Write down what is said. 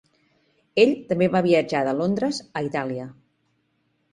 Ell també va viatjar de Londres a Itàlia.